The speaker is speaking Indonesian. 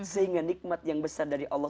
sehingga nikmat yang besar dari allah